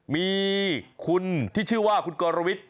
มีคุณที่ชื่อว่าคุณกรวิทย